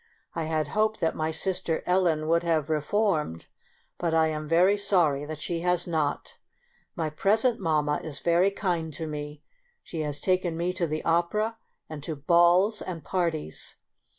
I had hoped that my sister Ellen would have re formed, but I am very sorry that she has not. My present mamma is very kind to me ; she has taken me to the opera and to balls and parties.